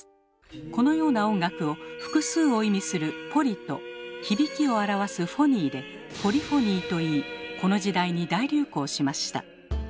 このような音楽を「複数」を意味する「ポリ」と「響き」を表す「フォニー」で「ポリフォニー」と言いこの時代に大流行しました。